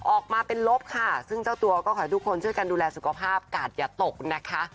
ออกมาเป็นลบค่ะซึ่งเจ้าตัวก็ขอให้ทุกคนช่วยกันดูแลสุขภาพกาดอย่าตกนะคะ